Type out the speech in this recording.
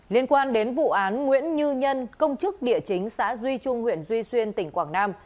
liên quan đến vụ án nguyễn như nhân công chức địa chính xã duy trung huyện duy xuyên tỉnh quảng nam